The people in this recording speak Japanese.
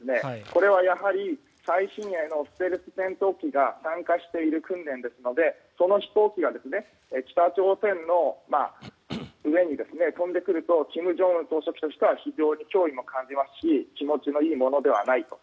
これはやはり最新鋭のステルス戦闘機が参加している訓練ですのでその飛行機が北朝鮮の上に飛んでくると金正恩総書記としては非常に脅威も感じますし気持ちのいいものではないと。